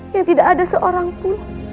yang tidak ada seorangpun